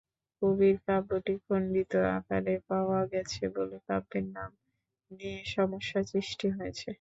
কবির কাব্যটি খন্ডিত আকারে পাওয়া গেছে বলে কাব্যের নাম নিয়ে সমস্যা সৃষ্টি হয়েছে।